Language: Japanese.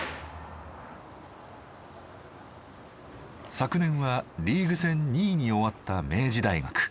昨年はリーグ戦２位に終わった明治大学。